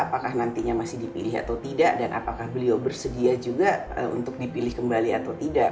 apakah nantinya masih dipilih atau tidak dan apakah beliau bersedia juga untuk dipilih kembali atau tidak